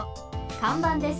かんばんです。